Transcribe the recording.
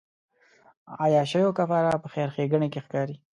عیاشیو کفاره په خیر ښېګڼې کې ښکاري.